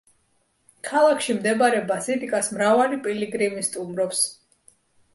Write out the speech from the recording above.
ქალაქში მდებარე ბაზილიკას მრავალი პილიგრიმი სტუმრობს.